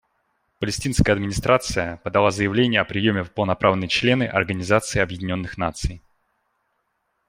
Палестинская администрация подала заявление о приеме в полноправные члены Организации Объединенных Наций.